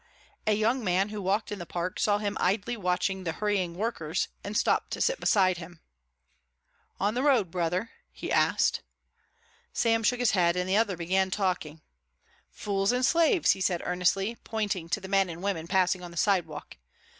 A young man who walked in the park saw him idly watching the hurrying workers, and stopped to sit beside him. "On the road, brother?" he asked. Sam shook his head, and the other began talking. "Fools and slaves," he said earnestly, pointing to the men and women passing on the sidewalk.